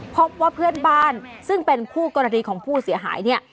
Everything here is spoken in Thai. พบว่าเพื่อนบ้านซึ่งเป็นคู่กรณีของผู้เสียหายเนี่ย